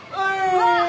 うわ！